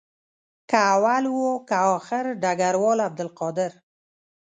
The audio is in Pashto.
که اول وو که آخر ډګروال عبدالقادر.